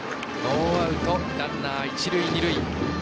ノーアウトランナー、一塁二塁。